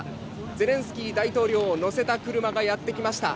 ゼレンスキー大統領を乗せた車がやって来ました。